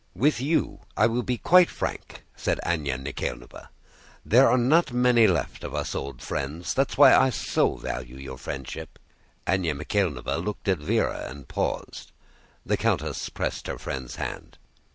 "With you I will be quite frank," said Anna Mikháylovna. "There are not many left of us old friends! That's why I so value your friendship." Anna Mikháylovna looked at Véra and paused. The countess pressed her friend's hand.